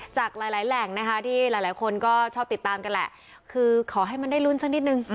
จากหลายแหล่งนะคะที่หลายคนก็ชอบติดตามกันแหละคือขอให้มันได้ลุ้นสักนิดนึง